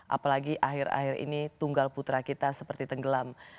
apalagi akhir akhir ini tunggal putra kita seperti tenggelam